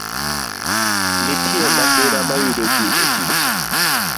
Nitie masira ma yudo ji e tich.